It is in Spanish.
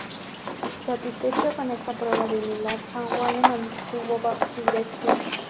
Satisfecho con esta prueba de humildad, San Juan le mantuvo bajo su dirección.